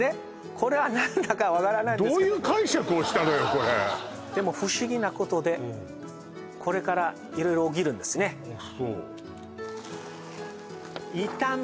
これは何だか分からないんですけどでも不思議なことでこれから色々起きるんですねあっ